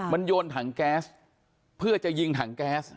มันโยนถังแก๊สเพื่อจะยิงถังแก๊ส